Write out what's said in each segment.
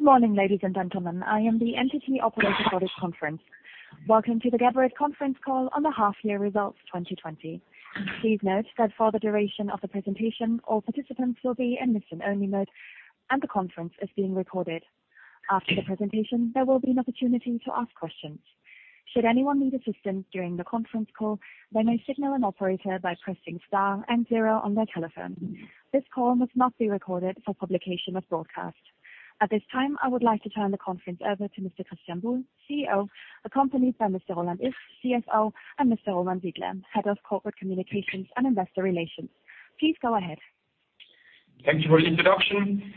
Good morning, ladies and gentlemen. I am the operator for this conference. Welcome to the Geberit Conference Call on the Half Year Results 2020. Please note that for the duration of the presentation, all participants will be in listen-only mode, and the conference is being recorded. After the presentation, there will be an opportunity to ask questions. Should anyone need assistance during the conference call, they may signal an operator by pressing star and zero on their telephone. This call must not be recorded for publication or broadcast. At this time, I would like to turn the conference over to Mr. Christian Buhl, CEO, accompanied by Mr. Roland Iff, CFO, and Mr. Roman Sidler, Head of Corporate Communications & Investor Relations. Please go ahead. Thank you for the introduction.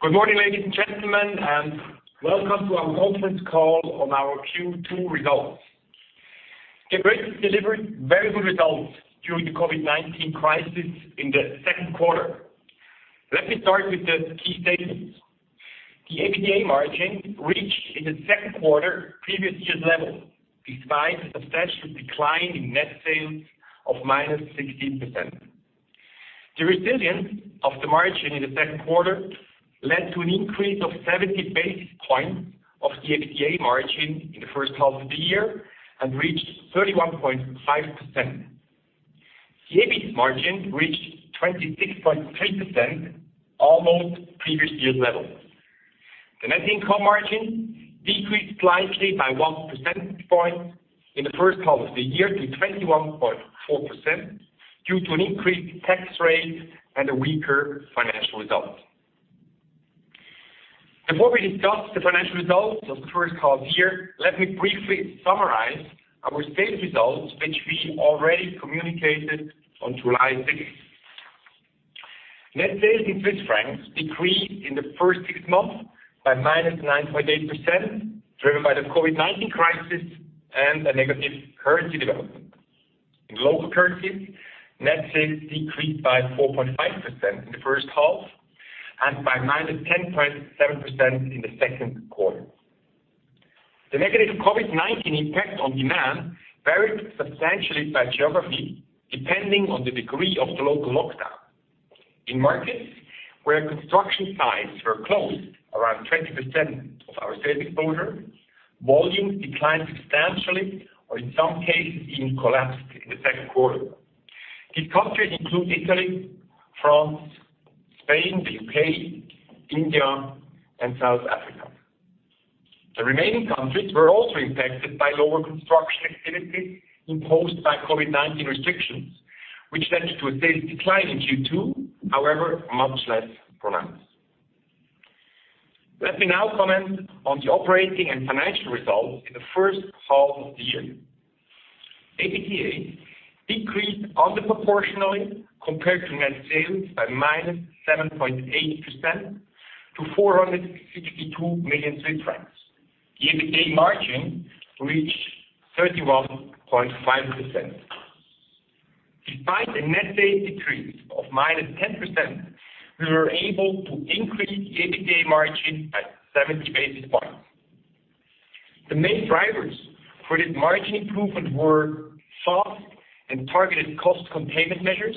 Good morning, ladies and gentlemen, and welcome to our conference call on our Q2 results. Geberit delivered very good results during the COVID-19 crisis in the second quarter. Let me start with the key statements. The EBITDA margin reached, in the second quarter, previous year's level, despite a substantial decline in net sales of -16%. The resilience of the margin in the second quarter led to an increase of 70 basis points of the EBITDA margin in the first half of the year and reached 31.5%. The EBIT margin reached 26.3%, almost previous year's level. The net income margin decreased slightly by one percentage point in the first half of the year to 21.4% due to an increased tax rate and a weaker financial result. Before we discuss the financial results of the first half of the year, let me briefly summarize our sales results, which we already communicated on July 6th. Net sales in CHF decreased in the first six months by -9.8%, driven by the COVID-19 crisis and a negative currency development. In local currency, net sales decreased by 4.5% in the first half and by -10.7% in the second quarter. The negative COVID-19 impact on demand varied substantially by geography, depending on the degree of the local lockdown. In markets where construction sites were closed, around 20% of our sales exposure, volume declined substantially, or in some cases even collapsed in the second quarter. These countries include Italy, France, Spain, the U.K., India, and South Africa. The remaining countries were also impacted by lower construction activity imposed by COVID-19 restrictions, which led to a sales decline in Q2, however, much less pronounced. Let me now comment on the operating and financial results in the first half of the year. EBITDA decreased under-proportionally compared to net sales by -7.8% to 462 million francs. The EBITDA margin reached 31.5%. Despite the net sales decrease of -10%, we were able to increase the EBITDA margin by 70 basis points. The main drivers for this margin improvement were fast and targeted cost containment measures,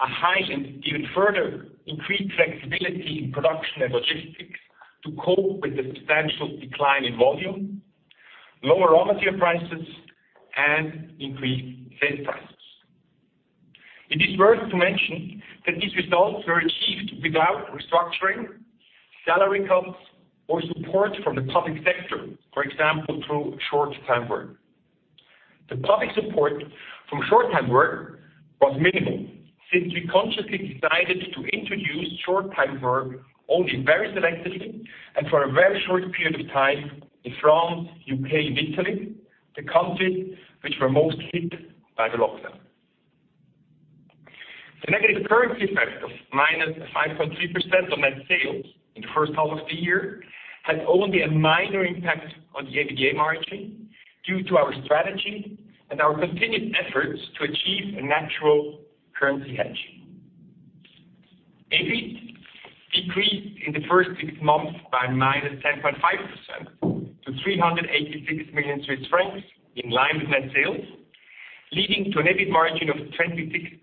a high and even further increased flexibility in production and logistics to cope with the substantial decline in volume, lower raw material prices, and increased sales prices. It is worth to mention that these results were achieved without restructuring, salary cuts, or support from the public sector, for example, through short time work. The public support from short-time work was minimal, since we consciously decided to introduce short-time work only very selectively and for a very short period of time in France, U.K., and Italy, the countries which were most hit by the lockdown. The negative currency effect of -5.3% on net sales in the first half of the year had only a minor impact on the EBITDA margin due to our strategy and our continued efforts to achieve a natural currency hedge. EBIT decreased in the first six months by -10.5% to 386 million Swiss francs in line with net sales, leading to an EBIT margin of 26.3%,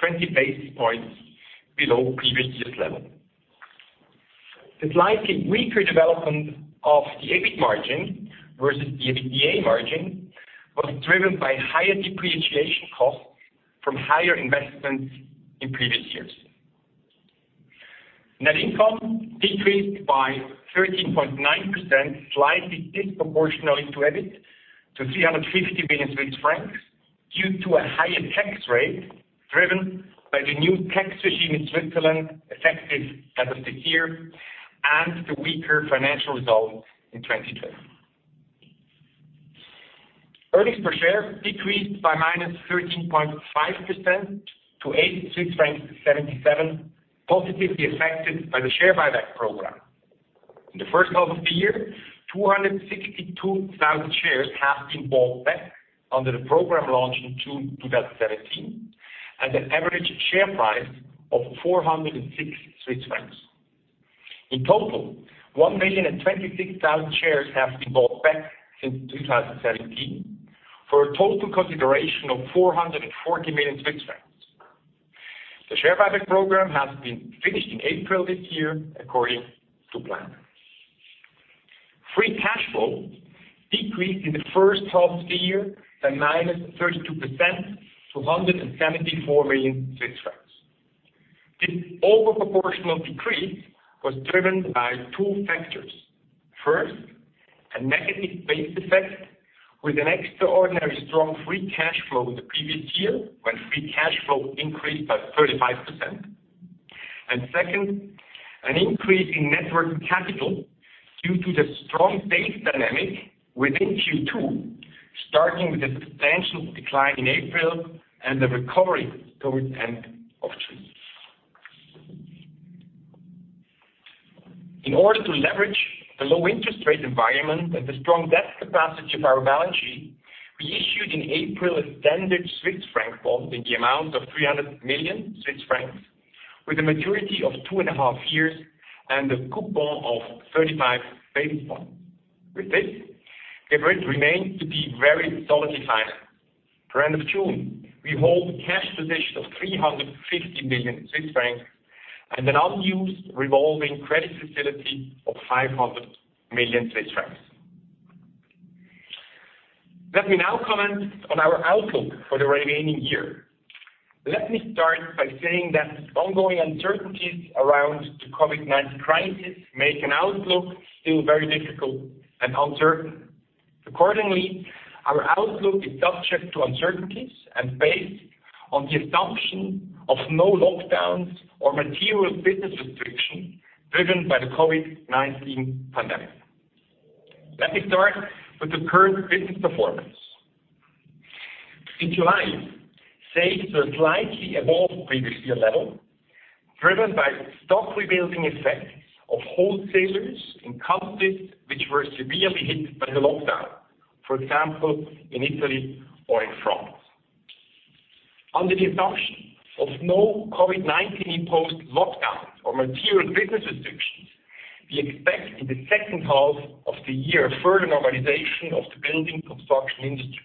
20 basis points below previous year's level. The slightly weaker development of the EBIT margin versus the EBITDA margin was driven by higher depreciation costs from higher investments in previous years. Net income decreased by 13.9%, slightly disproportionally to EBIT, to 350 million Swiss francs due to a higher tax rate driven by the new tax regime in Switzerland effective as of this year and the weaker financial results in 2020. Earnings per share decreased by -13.5% to 86.77 francs, positively affected by the share buyback program. In the first half of the year, 262,000 shares have been bought back under the program launched in June 2017, at an average share price of 406 Swiss francs. In total, 1,026,000 shares have been bought back since 2017. For a total consideration of 440 million Swiss francs. The share buyback program has been finished in April this year, according to plan. Free cash flow decreased in the first half of the year by -32% to 174 million Swiss francs. This overproportional decrease was driven by two factors. First, a negative base effect with an extraordinary strong free cash flow in the previous year, when free cash flow increased by 35%. Second, an increase in net working capital due to the strong sales dynamic within Q2, starting with a substantial decline in April and the recovery towards the end of June. In order to leverage the low interest rate environment and the strong debt capacity of our balance sheet, we issued in April a standard CHF bond in the amount of 300 million Swiss francs, with a maturity of two and a half years and a coupon of 35 basis points. With this, Geberit remains to be very solidly financed. At the end of June, we hold a cash position of 350 million Swiss francs and an unused revolving credit facility of 500 million Swiss francs. Let me now comment on our outlook for the remaining year. Let me start by saying that ongoing uncertainties around the COVID-19 crisis make an outlook still very difficult and uncertain. Accordingly, our outlook is subject to uncertainties and based on the assumption of no lockdowns or material business restrictions driven by the COVID-19 pandemic. Let me start with the current business performance. In July, sales were slightly above previous year level, driven by stock rebuilding effects of wholesalers in countries which were severely hit by the lockdown. For example, in Italy or in France. Under the assumption of no COVID-19 imposed lockdowns or material business restrictions, we expect in the second half of the year a further normalization of the building construction industry.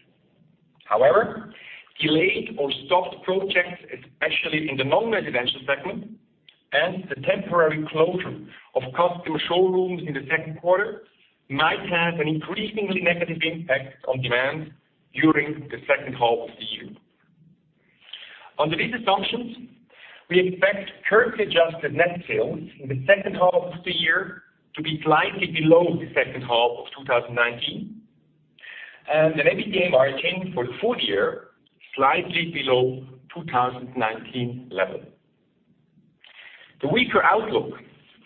However, delayed or stopped projects, especially in the non-residential segment, and the temporary closure of customer showrooms in the second quarter, might have an increasingly negative impact on demand during the second half of the year. Under these assumptions, we expect currency-adjusted net sales in the second half of the year to be slightly below the second half of 2019, and an EBITDA margin for the full year slightly below 2019 level. The weaker outlook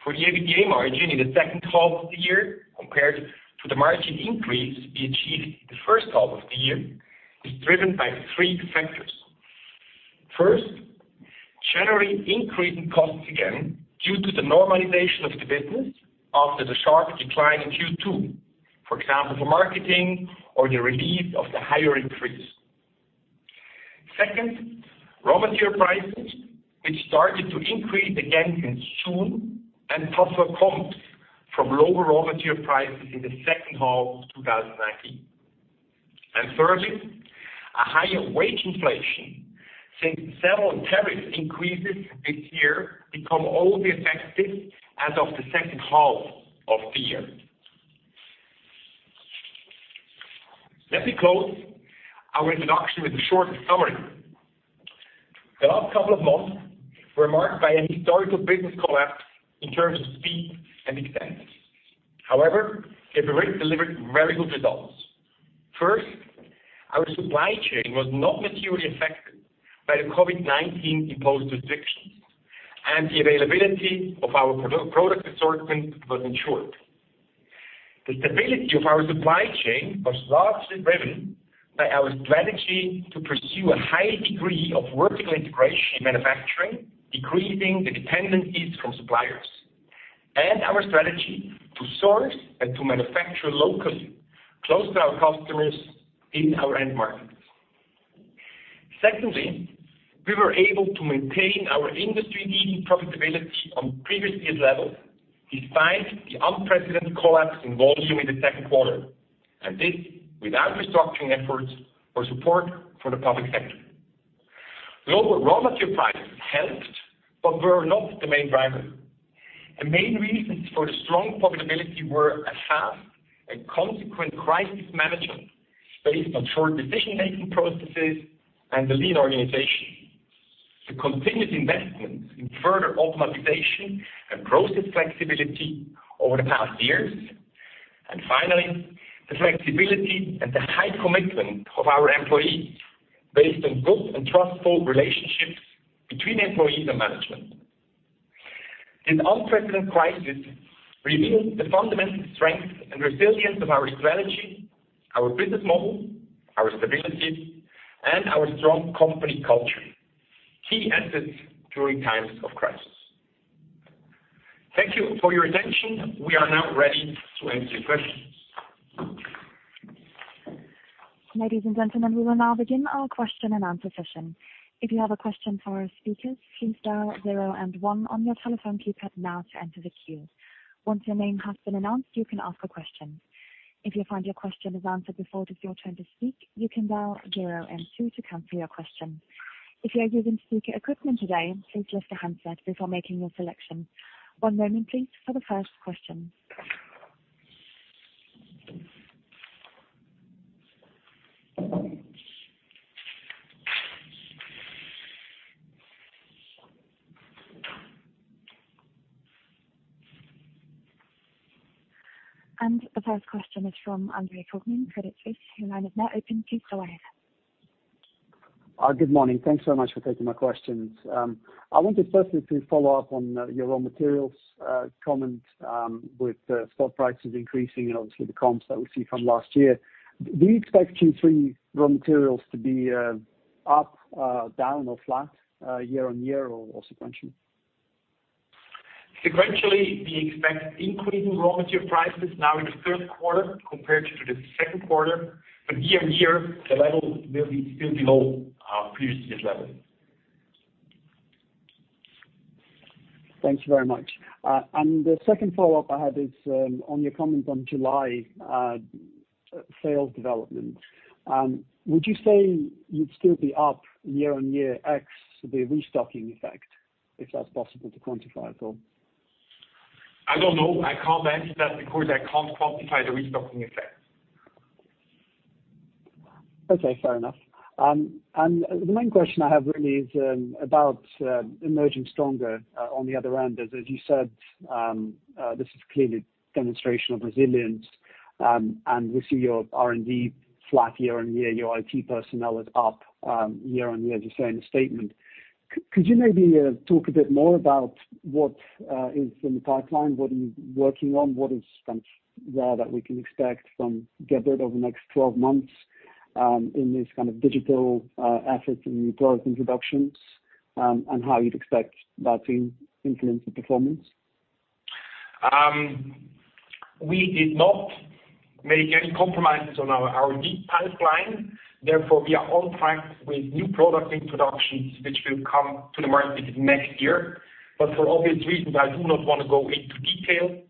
for the EBITDA margin in the second half of the year, compared to the margin increase we achieved in the first half of the year, is driven by three factors. First, generally increasing costs again due to the normalization of the business after the sharp decline in Q2. For example, for marketing or the relief of the hiring freeze. Second, raw material prices, which started to increase again in June and thus will come from lower raw material prices in the second half of 2019. Thirdly, a higher wage inflation, since several tariff increases this year become all the effective as of the second half of the year. Let me close our introduction with a short summary. The last couple of months were marked by an historical business collapse in terms of speed and extent. However, Geberit delivered very good results. First, our supply chain was not materially affected by the COVID-19 imposed restrictions, and the availability of our product assortment was ensured. The stability of our supply chain was largely driven by our strategy to pursue a high degree of vertical integration in manufacturing, decreasing the dependencies from suppliers, and our strategy to source and to manufacture locally, close to our customers in our end markets. Secondly, we were able to maintain our industry-leading profitability on previous year's level, despite the unprecedented collapse in volume in the second quarter. This without restructuring efforts or support from the public sector. Lower raw material prices helped but were not the main driver. The main reasons for the strong profitability were a fast and consequent crisis management based on short decision-making processes and the lean organization, the continuous investments in further optimization and process flexibility over the past years, and finally, the flexibility and the high commitment of our employees based on good and trustful relationships between employees and management. This unprecedented crisis revealed the fundamental strength and resilience of our strategy, our business model, our stability, and our strong company culture, key assets during times of crisis. Thank you for your attention. We are now ready to answer your questions. Ladies and gentlemen, we will now begin our question and answer session. If you have a question for our speakers, please dial zero and one on your telephone keypad now to enter the queue. Once your name has been announced, you can ask a question. If you find your question is answered before it is your turn to speak, you can dial zero and two to cancel your question. If you are using speaker equipment today, please lift the handset before making your selection. One moment please for the first question. The first question is from Andre Kukhnin, Credit Suisse. Your line is now open. Please go ahead. Good morning. Thanks so much for taking my questions. I wanted firstly to follow up on your raw materials comment with stock prices increasing and obviously the comps that we see from last year. Do you expect Q3 raw materials to be up, down, or flat year-on-year or sequentially? Sequentially, we expect increasing raw material prices now in the third quarter compared to the second quarter. Year-on-year, the level will be still below our previous year's level. Thanks very much. The second follow-up I had is on your comment on July sales development. Would you say you'd still be up year-on-year X, the restocking effect, if that's possible to quantify at all? I don't know. I can't answer that because I can't quantify the restocking effect. Okay, fair enough. The main question I have really is about emerging stronger on the other end, as you said, this is clearly a demonstration of resilience. We see your R&D flat year-over-year, your IT personnel is up year-over-year, as you say in the statement. Could you maybe talk a bit more about what is in the pipeline? What are you working on? What is there that we can expect from Geberit over the next 12 months in this kind of digital effort in new product introductions and how you'd expect that to influence the performance? We did not make any compromises on our lead pipeline. We are on track with new product introductions, which will come to the market next year. For obvious reasons, I do not want to go into detail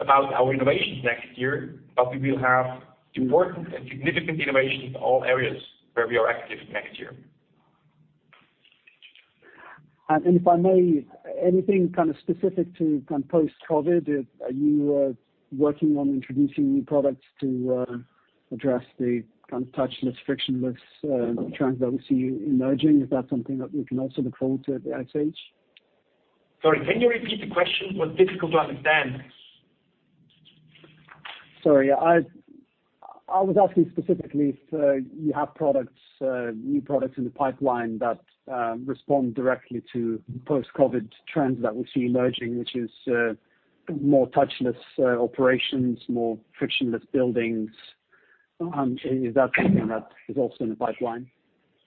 about our innovations next year, but we will have important and significant innovations in all areas where we are active next year. If I may, anything kind of specific to post-COVID? Are you working on introducing new products to address the kind of touchless, frictionless trends that we see emerging? Is that something that we can also look forward to at Geberit? Sorry, can you repeat the question? It was difficult to understand. Sorry. I was asking specifically if you have new products in the pipeline that respond directly to post-COVID trends that we see emerging, which is more touchless operations, more frictionless buildings. Is that something that is also in the pipeline?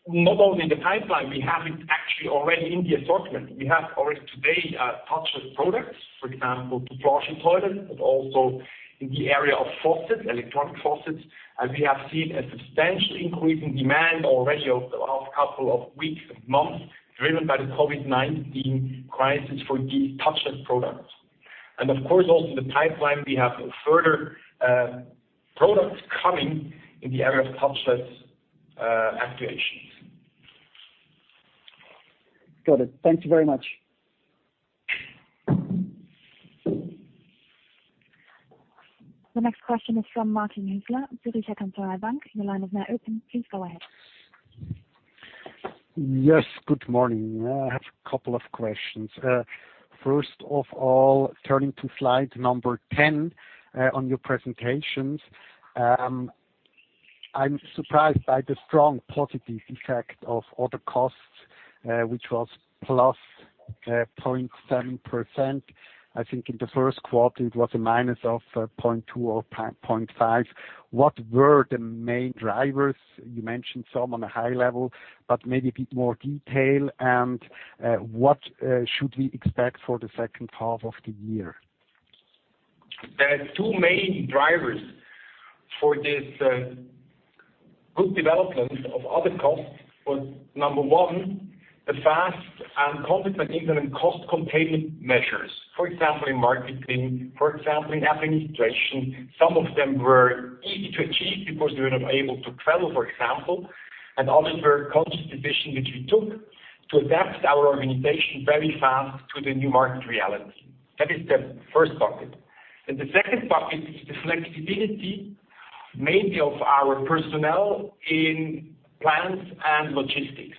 Not only in the pipeline, we have it actually already in the assortment. We have already today touchless products. For example, the flushing toilet, but also in the area of faucets, electronic faucets. We have seen a substantial increase in demand already over the last couple of weeks and months driven by the COVID-19 crisis for these touchless products. Of course, also in the pipeline, we have further products coming in the area of touchless activations. Got it. Thank you very much. The next question is from Martin Huesler, Zürcher Kantonalbank. Your line is now open, please go ahead. Yes, good morning. I have a couple of questions. First of all, turning to slide number 10 on your presentations. I'm surprised by the strong positive effect of other costs, which was +0.7%. I think in the first quarter it was a minus of 0.2% or 0.5%. What were the main drivers? You mentioned some on a high level, but maybe a bit more detail, and what should we expect for the second half of the year? There are two main drivers for this good development of other costs. Number one, the fast and consequent implemented cost containment measures. For example, in marketing, for example, in administration. Some of them were easy to achieve because we were not able to travel, for example. Others were a conscious decision, which we took to adapt our organization very fast to the new market reality. That is the first bucket. The second bucket is the flexibility mainly of our personnel in plants and logistics.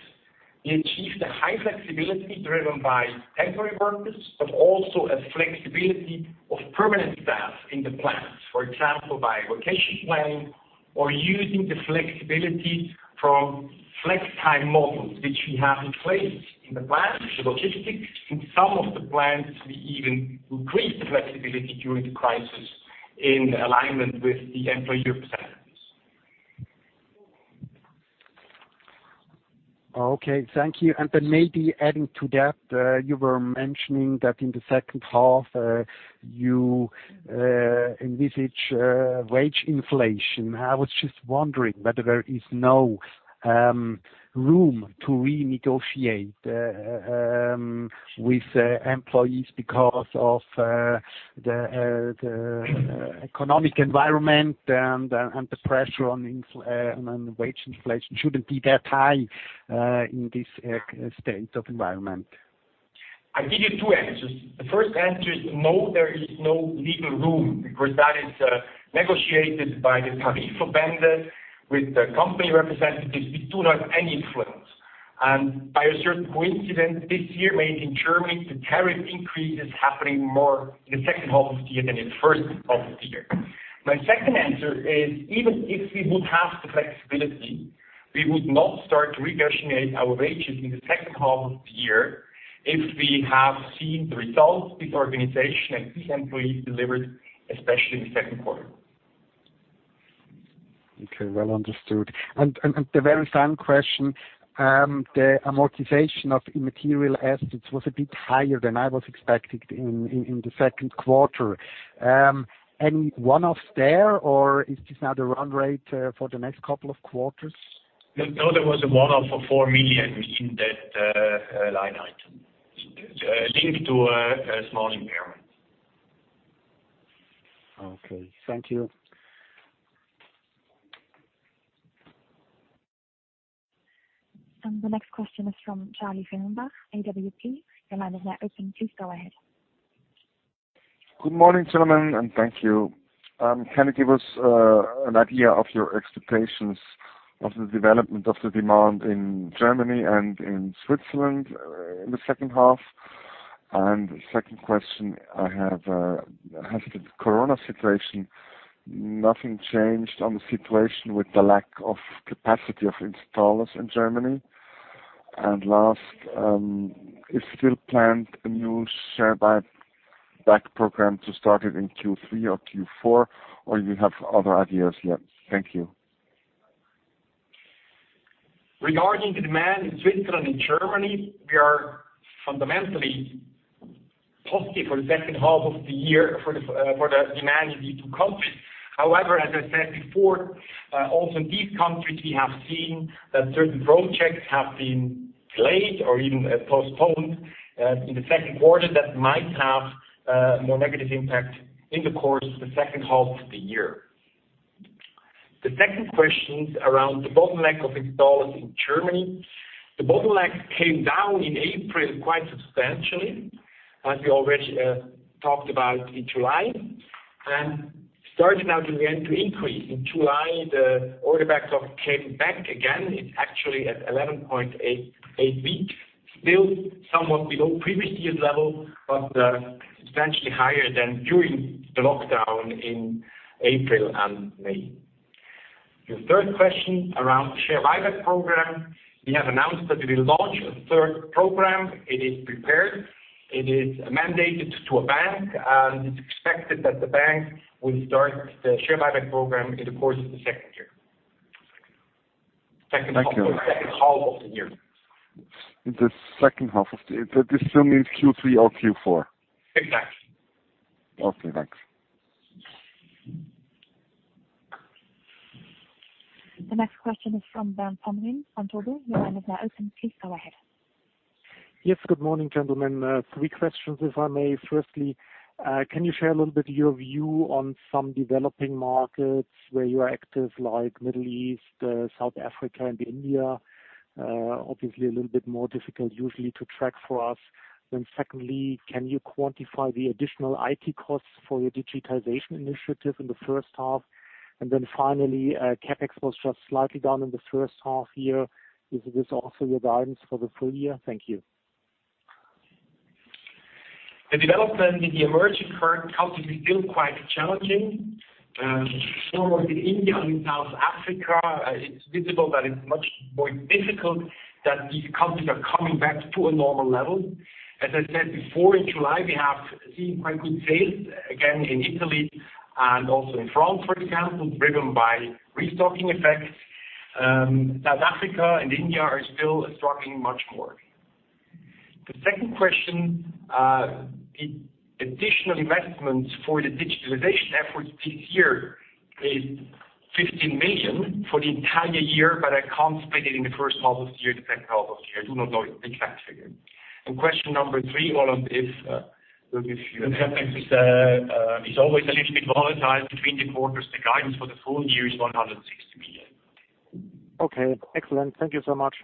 We achieved a high flexibility driven by temporary workers, but also a flexibility of permanent staff in the plants. For example, by vacation planning or using the flexibility from flex time models, which we have in place in the plants, the logistics in some of the plants, we even increased the flexibility during the crisis in alignment with the employee representatives. Okay, thank you. Maybe adding to that, you were mentioning that in the second half, you envisage wage inflation. I was just wondering whether there is no room to renegotiate with employees because of the economic environment and the pressure on wage inflation shouldn't be that high in this state of environment. I give you two answers. The first answer is no, there is no legal room, because that is negotiated by the Tarifverbände with the company representatives. We do not have any influence. By a certain coincidence this year, mainly in Germany, the tariff increase is happening more in the second half of the year than in the first half of the year. My second answer is, even if we would have the flexibility, we would not start to renegotiate our wages in the second half of the year if we have seen the results this organization and these employees delivered, especially in the second quarter. Okay, well understood. The very same question, the amortization of immaterial assets was a bit higher than I was expecting in the second quarter. Any one-offs there, or is this now the run rate for the next couple of quarters? There was a one-off of 4 million in that line item, linked to a small impairment. Okay. Thank you. The next question is from Charlie Fehrenbach, AWP. Your line is now open. Please go ahead. Good morning, gentlemen, and thank you. Can you give us an idea of your expectations of the development of the demand in Germany and in Switzerland in the second half? Second question I have, has the Corona situation nothing changed on the situation with the lack of capacity of installers in Germany? Last, is it still planned a new share buyback program to start it in Q3 or Q4, or you have other ideas yet? Thank you. Regarding the demand in Switzerland and Germany, we are fundamentally positive for the second half of the year for the demand in these two countries. As I said before, also in these countries, we have seen that certain project checks have been delayed or even postponed in the second quarter that might have a more negative impact in the course of the second half of the year. The second question is around the bottleneck of installers in Germany. The bottleneck came down in April quite substantially, as we already talked about in July, and started now to begin to increase. In July, the order backlog came back again. It's actually at 11.8 weeks. Still somewhat below previous years' level, substantially higher than during the lockdown in April and May. Your third question around the share buyback program. We have announced that we will launch a third program. It is prepared. It is mandated to a bank, and it is expected that the bank will start the share buyback program in the course of the second year. Thank you. Second half of the year. This still means Q3 or Q4. Exactly. Okay, thanks. The next question is from Bernd Pomrehn, Vontobel. Your line is now open. Please go ahead. Yes. Good morning, gentlemen. Three questions, if I may. Firstly, can you share a little bit your view on some developing markets where you are active, like Middle East, South Africa, and India? Obviously, a little bit more difficult usually to track for us. Secondly, can you quantify the additional IT costs for your digitalization initiative in the first half? Finally, CapEx was just slightly down in the first half year. Is this also your guidance for the full year? Thank you. The development in the emerging countries is still quite challenging. Especially in India and in South Africa, it's visible that it's much more difficult that these countries are coming back to a normal level. As I said before in July, we have seen quite good sales again in Italy and also in France, for example, driven by restocking effects. South Africa and India are still struggling much more. The second question, the additional investments for the digitalization efforts this year is 15 million for the entire year, but I can't split it in the first half of the year, the second half of the year. I do not know the exact figure. Question number three, Roland. The CapEx is always a little bit volatile between the quarters. The guidance for the full year is 160 million. Okay. Excellent. Thank you so much.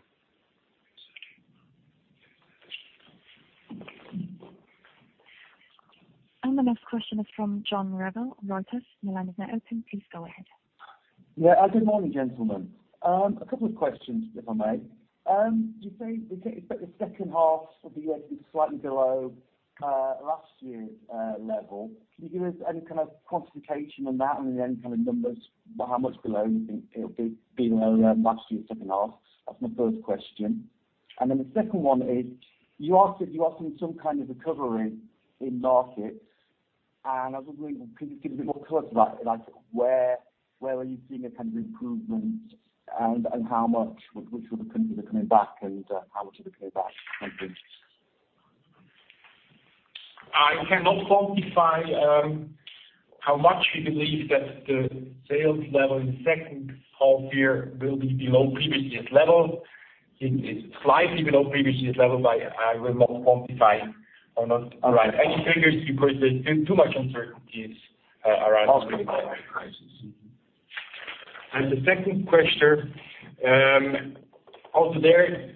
The next question is from John Revill, Reuters. Your line is now open. Please go ahead. Yeah. Good morning, gentlemen. A couple of questions, if I may. You say you expect the second half of the year to be slightly below last year's level. Can you give us any kind of quantification on that and any kind of numbers, how much below you think it'll be below last year's second half? That's my first question. The second one is, you are seeing some kind of recovery in markets, and I was wondering, can you give a bit more color to that? Where are you seeing a kind of improvement, and how much? Which of the countries are coming back, and how much are they coming back? Thank you. I cannot quantify how much we believe that the sales level in the second half year will be below previous year's level. It is slightly below previous year's level, but I will not quantify or not provide any figures because there's too much uncertainties around the COVID crisis. The second question, also there,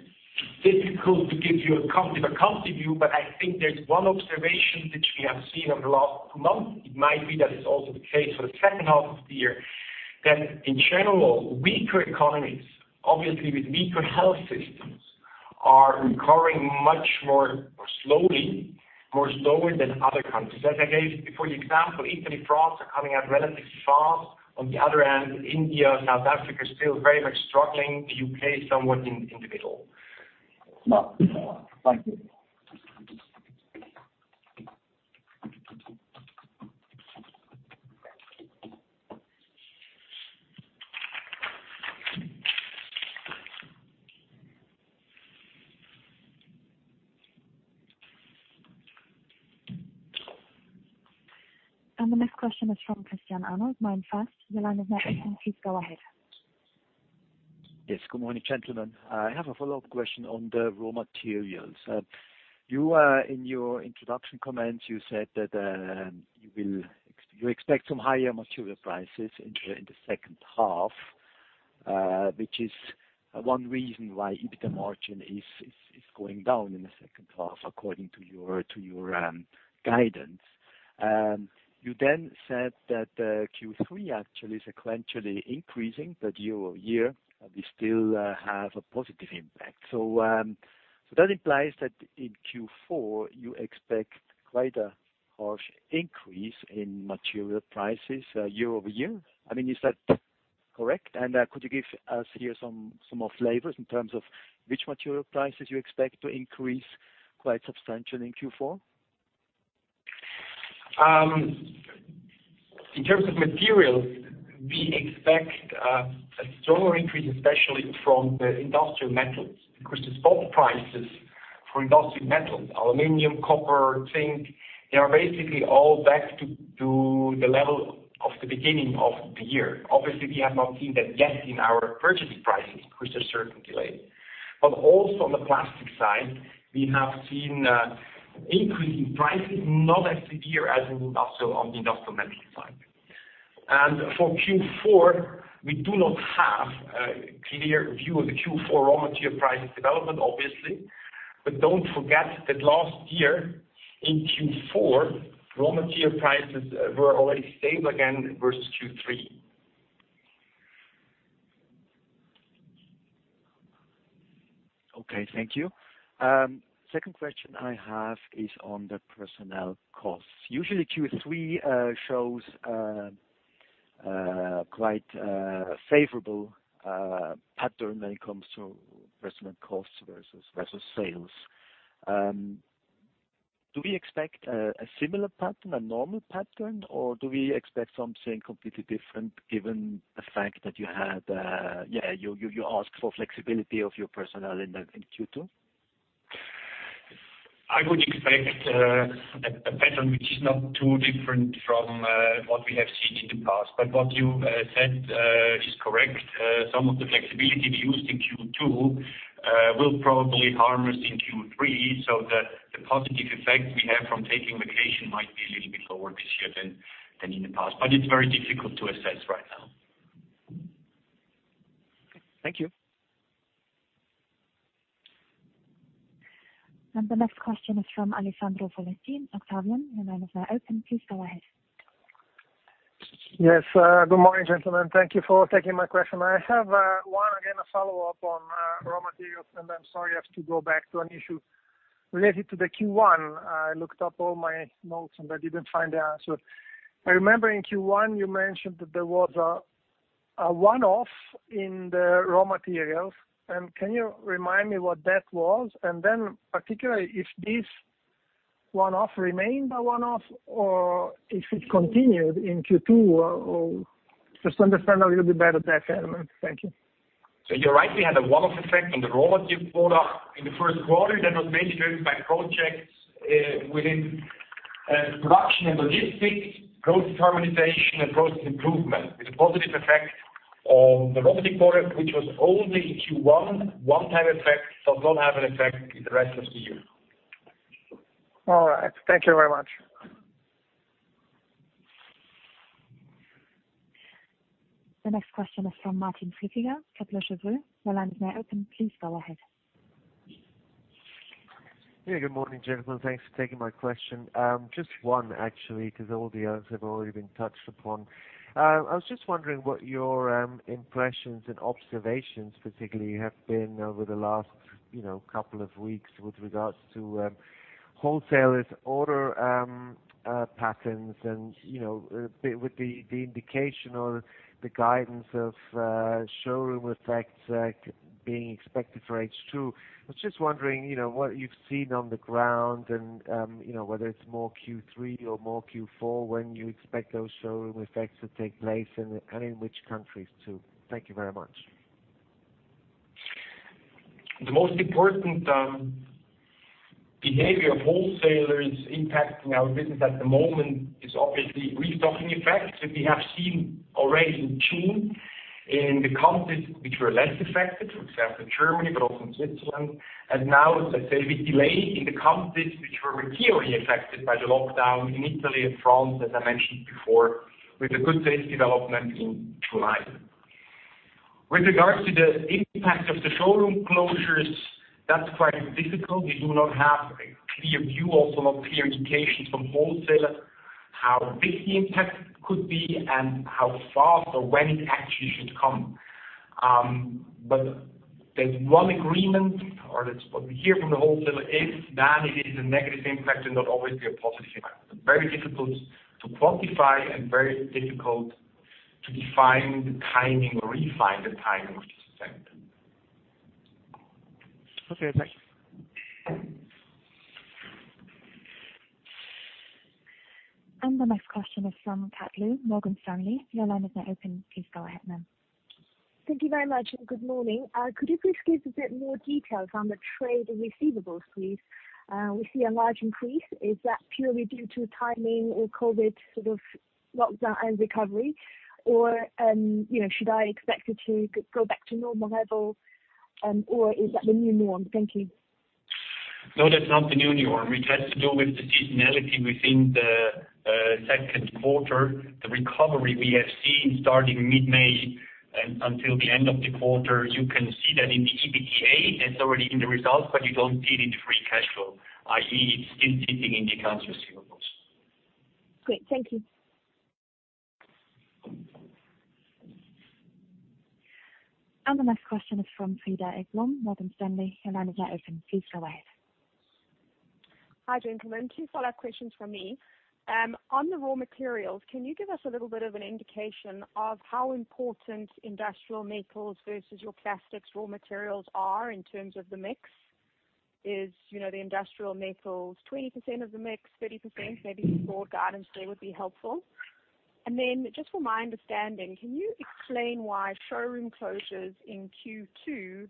difficult to give you a country-by-country view, but I think there's one observation which we have seen over the last month. It might be that it's also the case for the second half of the year, that in general, weaker economies, obviously with weaker health systems, are recovering much more slowly than other countries. As I gave before the example, Italy, France are coming up relatively fast. On the other hand, India, South Africa, still very much struggling. The U.K., somewhat in the middle. Thank you. The next question is from Christian Arnold, MainFirst. Your line is now open. Please go ahead. Yes. Good morning, gentlemen. I have a follow-up question on the raw materials. In your introduction comments, you said that you expect some higher material prices in the second half, which is one reason why EBITDA margin is going down in the second half according to your guidance. You said that Q3 actually sequentially increasing that year-over-year, we still have a positive impact. That implies that in Q4, you expect quite a harsh increase in material prices year-over-year. Is that correct? Could you give us here some more flavors in terms of which material prices you expect to increase quite substantially in Q4? In terms of materials, we expect a stronger increase, especially from the industrial metals, because the spot prices for industrial metals, aluminum, copper, zinc, they are basically all back to the level of the beginning of the year. Obviously, we have not seen that yet in our purchasing prices because there's certain delay. Also on the plastic side, we have seen increasing prices, not as severe as on the industrial metal side. For Q4, we do not have a clear view of the Q4 raw material prices development, obviously. Don't forget that last year in Q4, raw material prices were already stable again versus Q3. Okay, thank you. Second question I have is on the personnel costs. Usually, Q3 shows a quite favorable pattern when it comes to personnel costs versus sales. Do we expect a similar pattern, a normal pattern, or do we expect something completely different given the fact that you asked for flexibility of your personnel in Q2? I would expect a pattern which is not too different from what we have seen in the past. What you said is correct. Some of the flexibility we used in Q2 will probably harm us in Q3 so that the positive effect we have from taking vacation might be a little bit lower this year than in the past. It's very difficult to assess right now. Thank you. The next question is from Alessandro Foletti, Octavian. Your line is now open. Please go ahead. Yes. Good morning, gentlemen. Thank Thank you for taking my question. I have one, again, a follow-up on raw materials, and I'm sorry I have to go back to an issue related to the Q1. I looked up all my notes, and I didn't find the answer. I remember in Q1 you mentioned that there was a one-off in the raw materials, and can you remind me what that was? Particularly if this one-off remained a one-off or if it continued in Q2, or just to understand a little bit better that element. Thank you. You're right, we had a one-off effect on the raw material product in the first quarter that was mainly driven by projects within production and logistics, growth harmonization, and growth improvement with a positive effect on the raw material product, which was only Q1 one-time effect, so it will not have an effect in the rest of the year. All right. Thank you very much. The next question is from Martin Flueckiger, Kepler Cheuvreux. Your line is now open. Please go ahead. Yeah, good morning, gentlemen. Thanks for taking my question. Just one actually, because all the others have already been touched upon. I was just wondering what your impressions and observations particularly have been over the last couple of weeks with regards to wholesalers' order patterns and with the indication or the guidance of showroom effects being expected for H2. I was just wondering what you've seen on the ground and whether it's more Q3 or more Q4, when you expect those showroom effects to take place and in which countries, too. Thank you very much. The most important behavior of wholesalers impacting our business at the moment is obviously restocking effects that we have seen already in June in the countries which were less affected, for example, Germany, but also in Switzerland. Now, as I say, with delay in the countries which were materially affected by the lockdown in Italy and France, as I mentioned before, with a good sales development in July. With regards to the impact of the showroom closures, that's quite difficult. We do not have a clear view, also not clear indications from wholesalers, how big the impact could be and how fast or when it actually should come. There's one agreement, or that's what we hear from the wholesaler, is that it is a negative impact and not always be a positive impact. Very difficult to quantify and very difficult to define the timing or refine the timing of this effect. Okay, thanks. The next question is from, Morgan Stanley. Your line is now open. Please go ahead, ma'am. Thank you very much, and good morning. Could you please give a bit more details on the trade receivables, please? We see a large increase. Is that purely due to timing or COVID sort of lockdown and recovery? Or should I expect it to go back to normal levels, or is that the new norm? Thank you. No, that's not the new norm. It has to do with the seasonality within the second quarter, the recovery we have seen starting mid-May, and until the end of the quarter. You can see that in the EBITDA, that's already in the results, but you don't see it in the free cash flow, i.e., it's still sitting in the accounts receivables. Great. Thank you. The next question is from Cedar Ekblom, Morgan Stanley. Your line is now open. Please go ahead. Hi, gentlemen. Two follow-up questions from me. On the raw materials, can you give us a little bit of an indication of how important industrial metals versus your plastics raw materials are in terms of the mix? Is the industrial metals 20% of the mix, 30%? Maybe some broad guidance there would be helpful. Then just for my understanding, can you explain why showroom closures in Q2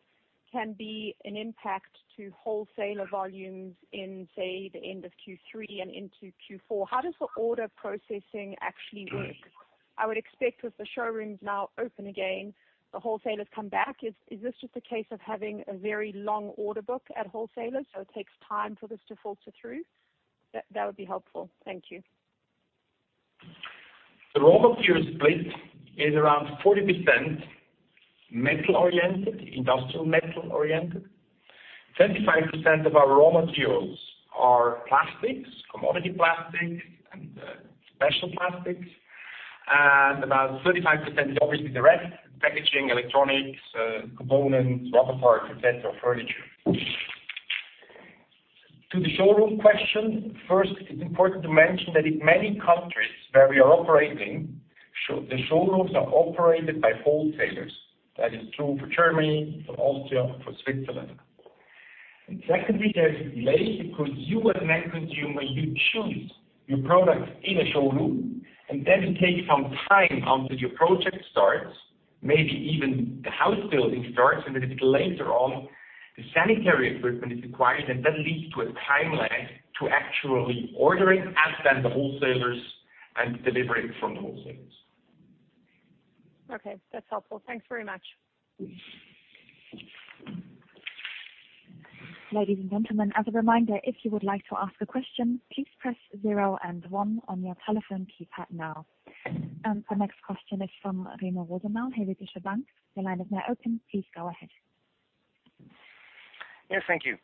can be an impact to wholesaler volumes in, say, the end of Q3 and into Q4? How does the order processing actually work? I would expect with the showrooms now open again, the wholesalers come back. Is this just a case of having a very long order book at wholesalers, so it takes time for this to filter through? That would be helpful. Thank you. The raw material split is around 40% metal-oriented, industrial metal-oriented, 25% of our raw materials are plastics, commodity plastics and special plastics, and about 35% is obviously the rest, packaging, electronics, components, rubber parts, etc., furniture. To the showroom question, first, it's important to mention that in many countries where we are operating, the showrooms are operated by wholesalers. That is true for Germany, for Austria, for Switzerland. Secondly, there is a delay because you as an end consumer, you choose your product in a showroom, and then it takes some time until your project starts, maybe even the house building starts, and then a bit later on, the sanitary equipment is required, and that leads to a time lag to actually ordering at then the wholesalers and delivering from the wholesalers. Okay. That's helpful. Thanks very much. Ladies and gentlemen, as a reminder, if you would like to ask a question, please press zero and one on your telephone keypad now. The next question is from Remo Rosenau, Helvetische Bank. Your line is now open. Please go ahead. Yes, thank you.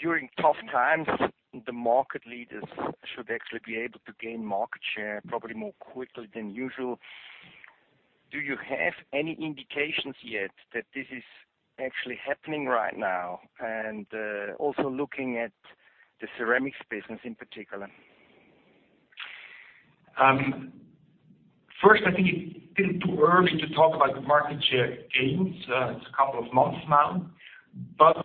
During tough times, the market leaders should actually be able to gain market share probably more quickly than usual. Do you have any indications yet that this is actually happening right now, also looking at the ceramics business in particular? First, I think it's a little too early to talk about the market share gains. It's a couple of months now, but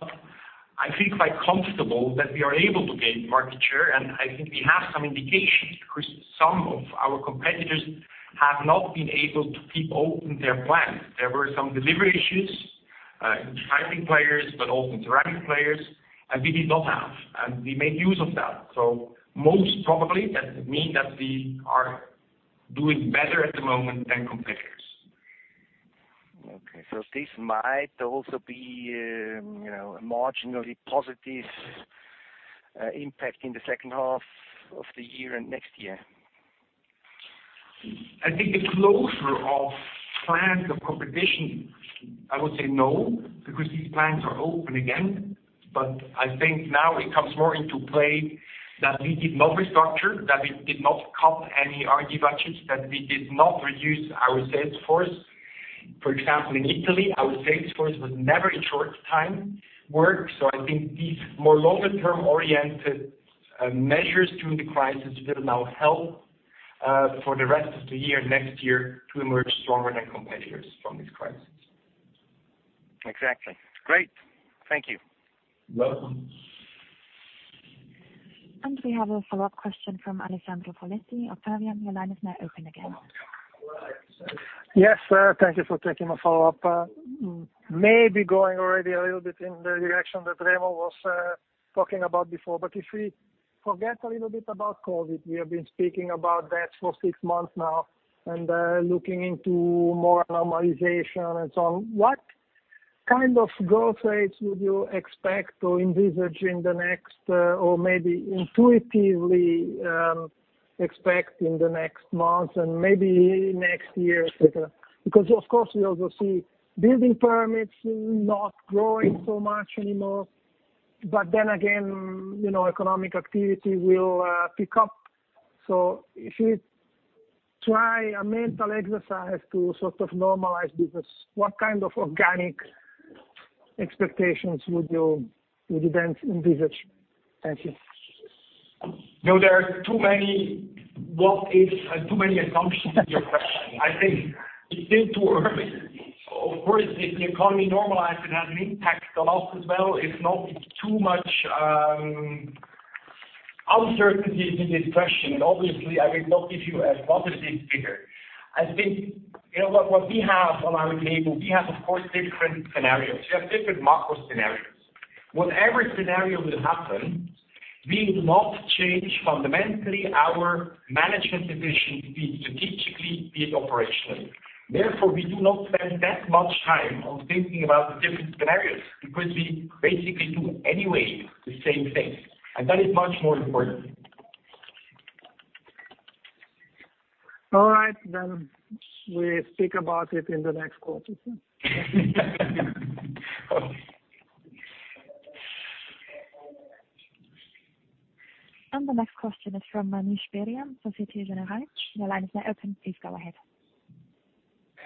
I feel quite comfortable that we are able to gain market share, and I think we have some indications because some of our competitors have not been able to keep open their plants. There were some delivery issues in Chinese players, but also in ceramic players, and we did not have, and we made use of that. Most probably that means that we are doing better at the moment than competitors. Okay. This might also be a marginally positive impact in the second half of the year and next year. I think the closure of plants of competition, I would say no, because these plants are open again. I think now it comes more into play that we did not restructure, that we did not cut any R&D budgets, that we did not reduce our sales force. For example, in Italy, our sales force was never in short time work. I think these more longer term oriented measures during the crisis will now help for the rest of the year, next year, to emerge stronger than competitors from this crisis. Exactly. Great. Thank you. You're welcome. We have a follow-up question from Alessandro Foletti, Octavian. Your line is now open again. Yes, thank you for taking my follow-up. If we forget a little bit about COVID, we have been speaking about that for six months now and looking into more normalization and so on. What kind of growth rates would you expect or envisage in the next, or maybe intuitively expect in the next months and maybe next year et cetera? Of course, we also see building permits not growing so much anymore. Economic activity will pick up. If you try a mental exercise to normalize business, what kind of organic expectations would you then envisage? Thank you. No, there are too many what ifs and too many assumptions in your question. I think it's still too early. Of course, if the economy normalizes, it has an impact on us as well. It's not too much uncertainty in this question. Obviously, I will not give you a profit figure. I think, what we have on our table, we have of course, different scenarios. We have different macro scenarios. Whatever scenario will happen, we will not change fundamentally our management division, be it strategically, be it operationally. Therefore, we do not spend that much time on thinking about the different scenarios because we basically do anyway the same thing, and that is much more important. All right, we speak about it in the next quarter. The next question is from Manish Beria, Société Générale. Your line is now open. Please go ahead.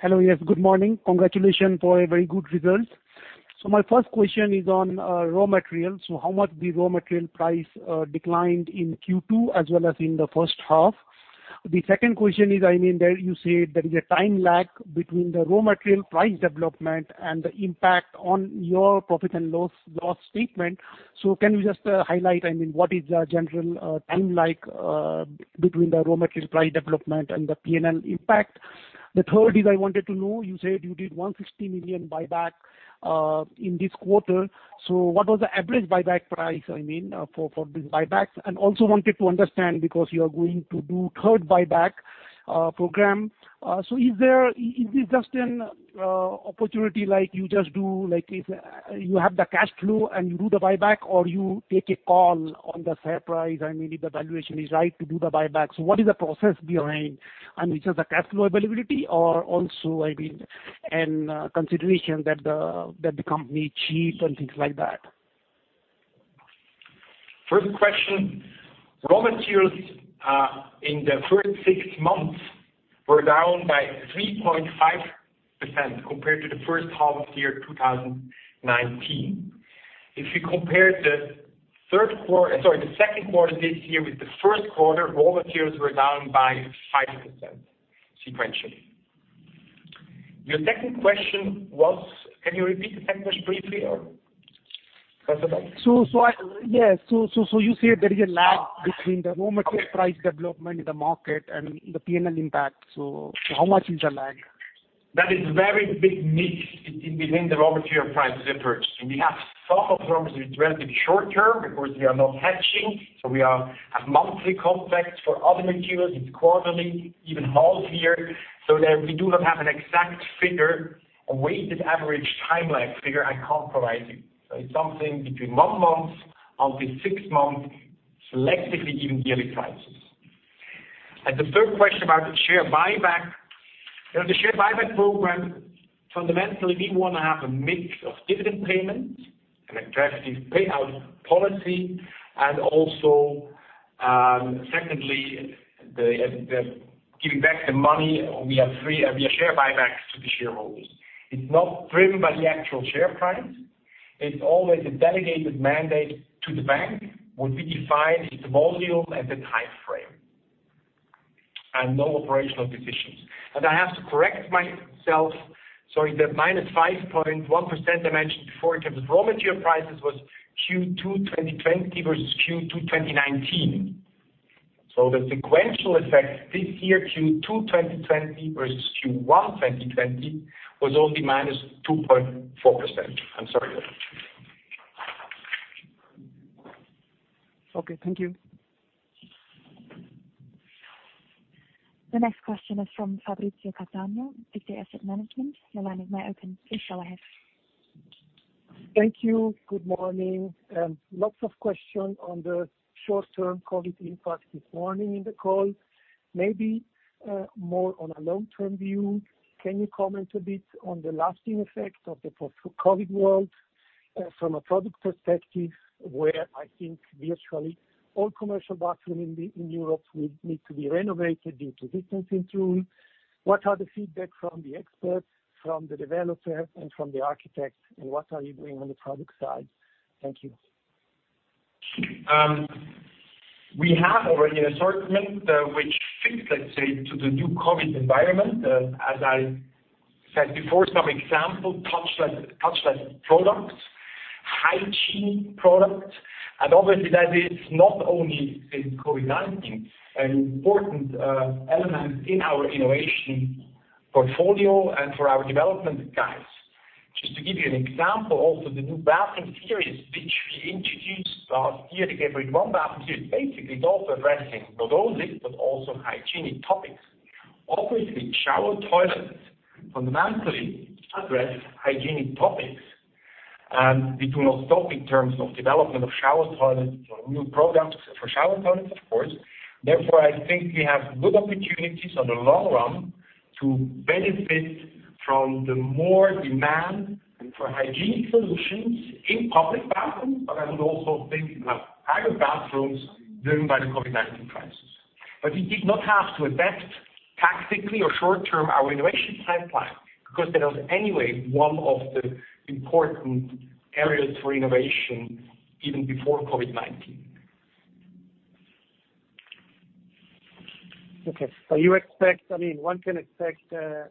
Hello. Yes, good morning. Congratulations for a very good result. My first question is on raw materials. How much the raw material price declined in Q2 as well as in the first half? The second question is, you said there is a time lag between the raw material price development and the impact on your profit and loss statement. Can you just highlight, what is the general time lag between the raw material price development and the P&L impact? The third is I wanted to know, you said you did 160 million buyback in this quarter. What was the average buyback price for this buyback? Also wanted to understand, because you are going to do third buyback program. Is this just an opportunity like you just do, like if you have the cash flow and you do the buyback, or you take a call on the share price, if the valuation is right to do the buyback? What is the process behind? It's just the cash flow availability or also, and consideration that the company cheap and things like that? First question, raw materials in the first six months were down by 3.5% compared to the first half of the year 2019. If you compare the second quarter this year with the first quarter, raw materials were down by 5% sequentially. Your second question was, can you repeat the second question briefly or? Yes. You say there is a lag between the raw material price development in the market and the P&L impact. How much is the lag? That is very big mix between the raw material price difference. We have some of the raw materials relative short-term, because we are not hedging. We are at monthly contracts for other materials. It's quarterly, even half-year, so we do not have an exact figure, a weighted average time lag figure I can't provide you. It's something between one month up to six months, selectively even yearly prices. The third question about the share buyback. The share buyback program, fundamentally, we want to have a mix of dividend payment, an attractive payout policy. Also, secondly, giving back the money via share buybacks to the shareholders. It's not driven by the actual share price. It's always a delegated mandate to the bank where we define its volume and the time frame. No operational decisions. I have to correct myself, sorry, the -5.1% I mentioned before in terms of raw material prices was Q2 2020 versus Q2 2019. The sequential effect this year, Q2 2020 versus Q1 2020, was only -2.4%. I'm sorry about that. Okay. Thank you. The next question is from, DP Asset Management. Your line is now open. Please go ahead. Thank you. Good morning. Lots of question on the short-term COVID impact this morning in the call. Maybe more on a long-term view. Can you comment a bit on the lasting effects of the post-COVID world from a product perspective, where I think virtually all commercial bathroom in Europe will need to be renovated due to distancing rules. What are the feedback from the experts, from the developers, and from the architects, and what are you doing on the product side? Thank you. We have already an assortment which fits, let's say, to the new COVID environment. As I said before, some example, touchless products, hygiene products. Obviously that is not only in COVID-19, an important element in our innovation portfolio and for our development guides. Just to give you an example, also the new bathroom series, which we introduced last year, the Geberit ONE bathroom series, basically it's also addressing not only, but also hygienic topics. Obviously, shower toilets fundamentally address hygienic topics. We will not stop in terms of development of shower toilets or new products for shower toilets, of course. Therefore, I think we have good opportunities in the long run to benefit from the more demand for hygienic solutions in public bathrooms, but I would also think in the private bathrooms during the COVID-19 crisis. We did not have to adapt tactically or short-term our innovation timeline, because that was anyway one of the important areas for innovation even before COVID-19. Okay. One can expect a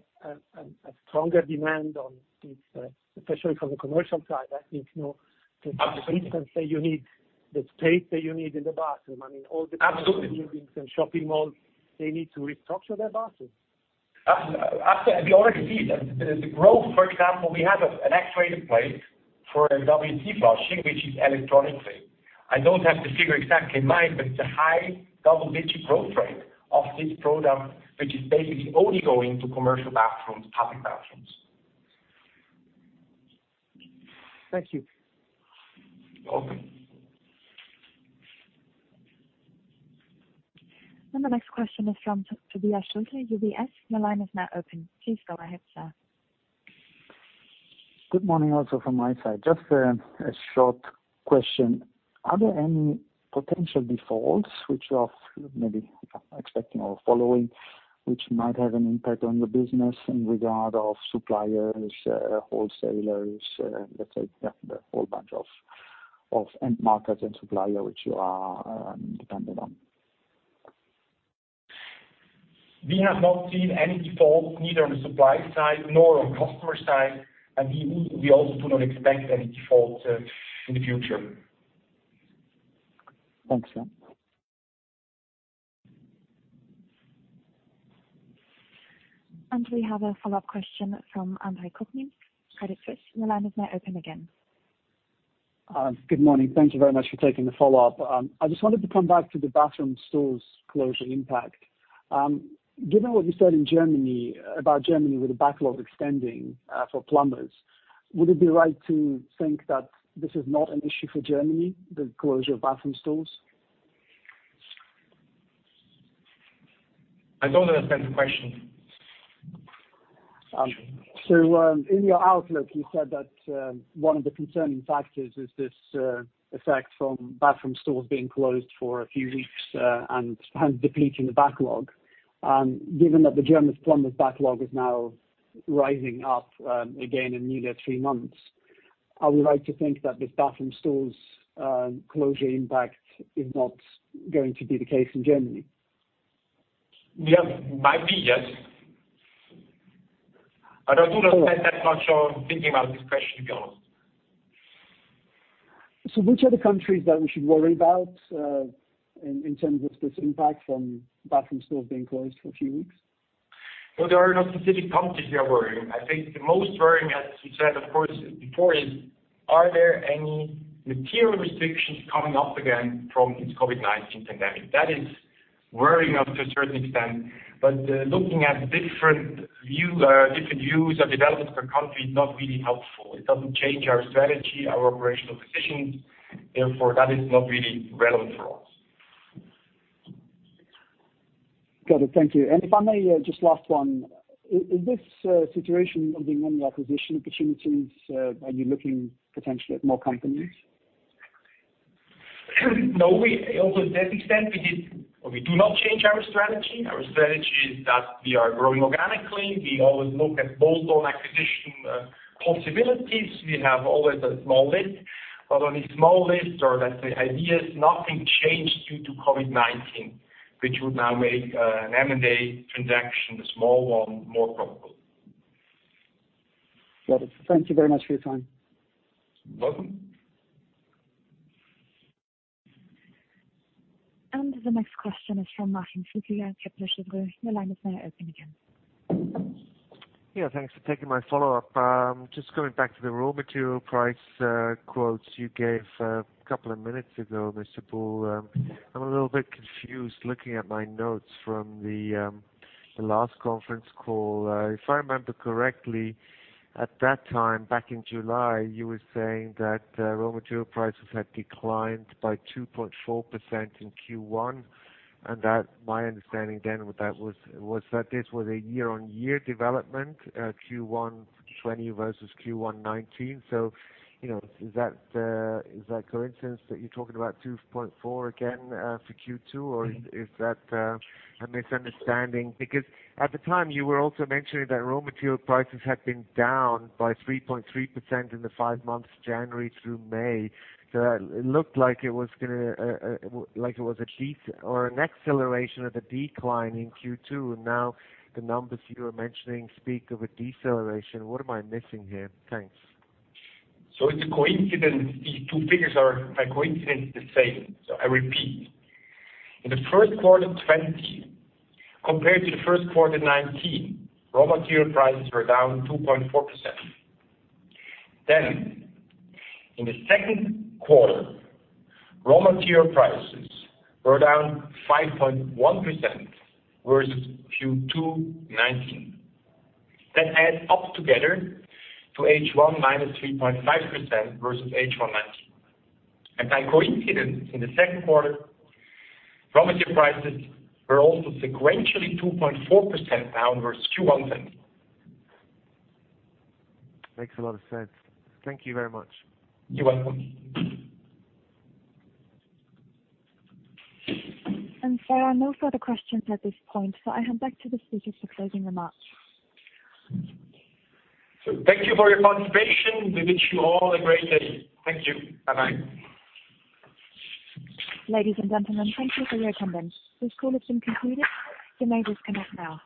stronger demand on these, especially from the commercial side. Absolutely the distance that you need, the space that you need in the bathroom. Absolutely buildings and shopping malls, they need to restructure their bathrooms. We already see it. The growth, for example, we have an actuator plate for WC flushing, which is electronic. I don't have the figure exactly in mind, but it's a high double-digit growth rate of this product, which is basically only going to commercial bathrooms, public bathrooms. Thank you. You're welcome. The next question is from, UBS. Your line is now open. Please go ahead, sir. Good morning also from my side. Just a short question. Are there any potential defaults which you are maybe expecting or following, which might have an impact on your business in regard of suppliers, wholesalers, let's say a whole bunch of end markets and suppliers which you are dependent on? We have not seen any defaults, neither on the supply side nor on customer side, and we also do not expect any defaults in the future. Thanks, sir. We have a follow-up question from Andre Kukhnin, Credit Suisse. Your line is now open again. Good morning. Thank you very much for taking the follow-up. I just wanted to come back to the bathroom stores closure impact. Given what you said in Germany, about Germany with the backlog extending for plumbers, would it be right to think that this is not an issue for Germany, the closure of bathroom stores? I don't understand the question. In your outlook, you said that one of the concerning factors is this effect from bathroom stores being closed for a few weeks and depleting the backlog. Given that the German plumbers backlog is now rising up again in nearly three months, are we right to think that this bathroom stores closure impact is not going to be the case in Germany? Might be, yes. I do not spend that much on thinking about this question, to be honest. Which are the countries that we should worry about in terms of this impact from bathroom stores being closed for a few weeks? There are no specific countries we are worrying. I think the most worrying, as we said, of course, before, is are there any material restrictions coming up again from this COVID-19 pandemic? That is worrying up to a certain extent, but looking at different views or developments per country, is not really helpful. It doesn't change our strategy, our operational decisions, therefore that is not really relevant for us. Got it. Thank you. If I may, just last one. In this situation of being on the acquisition opportunities, are you looking potentially at more companies? No, we also to that extent, we do not change our strategy. Our strategy is that we are growing organically. We always look at bolt-on acquisition possibilities. We have always a small list, but on this small list or let's say ideas, nothing changed due to COVID-19, which would now make an M&A transaction, a small one, more probable. Got it. Thank you very much for your time. You're welcome. The next question is from Martin Flueckiger, Kepler Cheuvreux. Your line is now open again. Yeah, thanks for taking my follow-up. Just going back to the raw material price quotes you gave a couple of minutes ago, Mr. Buhl. I'm a little bit confused looking at my notes from the last conference call. If I remember correctly, at that time back in July, you were saying that raw material prices had declined by 2.4% in Q1. That my understanding then with that was that this was a year-on-year development, Q1 2020 versus Q1 2019. Is that coincidence that you're talking about 2.4 again for Q2? Or is that a misunderstanding? Because at the time, you were also mentioning that raw material prices had been down by 3.3% in the five months, January through May. It looked like it was an acceleration of a decline in Q2, and now the numbers you are mentioning speak of a deceleration. What am I missing here? Thanks. It's a coincidence. These two figures are by coincidence the same. I repeat. In the first quarter 2020 compared to the first quarter 2019, raw material prices were down 2.4%. In the second quarter, raw material prices were down 5.1% versus Q2 2019. That adds up together to H1 -3.5% versus H1 2019. By coincidence, in the second quarter, raw material prices were also sequentially 2.4% down versus Q1 2020. Makes a lot of sense. Thank you very much. You're welcome. Sir, no further questions at this point. I hand back to the speakers for closing remarks. Thank you for your participation. We wish you all a great day. Thank you. Bye-bye. Ladies and gentlemen, thank you for your attendance. This call has been concluded. You may disconnect now.